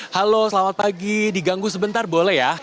halo selamat pagi diganggu sebentar boleh ya